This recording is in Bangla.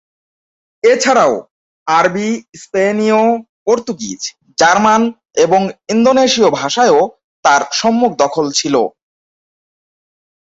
এছাড়াও আরবি, স্পেনীয়, পর্তুগিজ, জার্মান এবং ইন্দোনেশীয় ভাষায়ও তার সম্যক দখল ছিল।